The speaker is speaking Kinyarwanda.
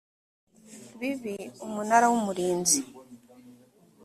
bibi umunara w umurinzi